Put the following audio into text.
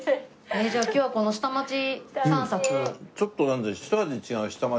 じゃあ今日はこの下町散策？